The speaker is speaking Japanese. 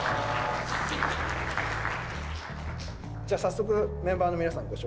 じゃあ早速メンバーの皆さん